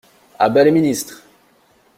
A bas les ministres!